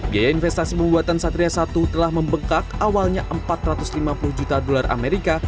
biaya investasi pembuatan satria satu telah membekak awalnya empat ratus lima puluh juta dolar amerika